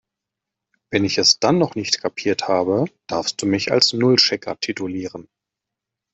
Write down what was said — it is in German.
Wenn ich es dann noch nicht kapiert habe, darfst du mich als Nullchecker titulieren.